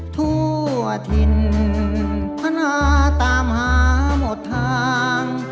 ทั่วถิ่นพนาตามหาหมดทาง